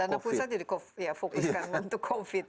karena dana pusat jadi fokus untuk covid